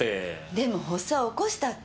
でも発作を起こしたって。